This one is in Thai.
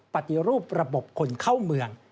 ในรูปรับบคลุมเข้าเมือง